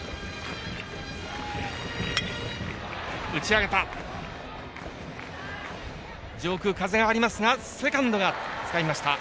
上空、風がありますがセカンドがつかみました。